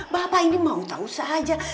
bapak ini mau tahu saja